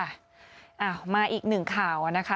อ้าวมาอีกหนึ่งข่าวนะคะ